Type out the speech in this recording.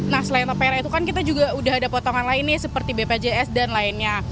nah selain tpr itu kan kita juga udah ada potongan lainnya seperti bpjs dan lainnya